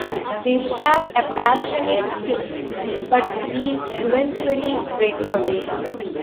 They share a passionate kiss but Eve eventually breaks away.